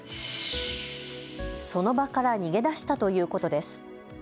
その場から逃げ出したということです。